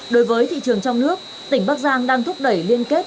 đối với thị trường trong nước tỉnh bắc giang đang thúc đẩy liên kết